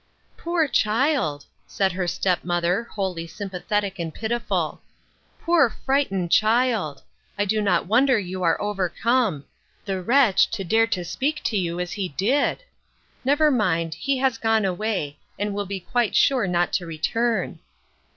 " Poor child !" said her step mother, wholly sympathetic and pitiful; "poor frightened child! I do not wonder you were overcome. The wretch, to dare to speak to you as he did ! Never mind ; he has gone away, and will be quite sure not to return."